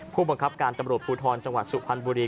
ผู้บังคับการตำรวจภูทรจังหวัดสุพรรณบุรี